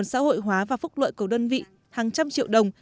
xã hội hóa và phúc lợi của đơn vị hàng trăm triệu đồng